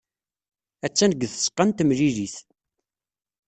Attan deg tzeɣɣa n temlilit.